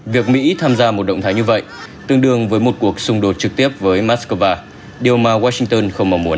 việc mỹ tham gia một động thái như vậy tương đương với một cuộc xung đột trực tiếp với moscow điều mà washington không mong muốn